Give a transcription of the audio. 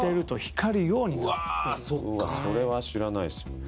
それは知らないですもんね。